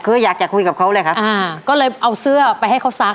คืออยากจะคุยกับเขาเลยครับอ่าก็เลยเอาเสื้อไปให้เขาซัก